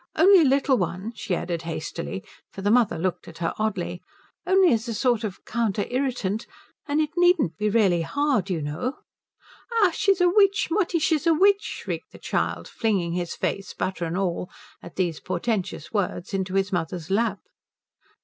Only a little one," she added hastily, for the mother looked at her oddly, "only as a sort of counter irritant. And it needn't be really hard, you know " "Ach, she's a witch Mutti, she's a witch!" shrieked the child, flinging his face, butter and all, at these portentous words, into his mother's lap.